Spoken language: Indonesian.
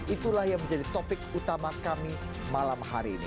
itulah yang menjadi topik utama kami malam hari ini